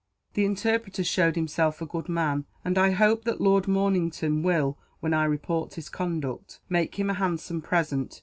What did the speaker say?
"The interpreter showed himself a good man, and I hope that Lord Mornington will, when I report his conduct, make him a handsome present.